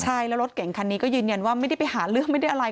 ใช่แล้วรถเก่งคันนี้ก็ยืนยันว่าไม่ได้ไปหาเรื่องไม่ได้อะไร